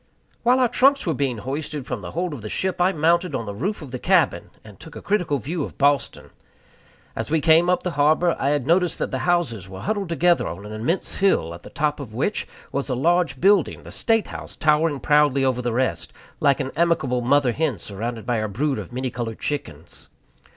While our trunks were being hoisted from the hold of the ship, I mounted on the roof of the cabin, and took a critical view of Boston. As we came up the harbor, I had noticed that the houses were huddled together on an immense bill, at the top of which was a large building, the State House, towering proudly above the rest, like an amiable mother hen surrounded by her brood of many colored chickens.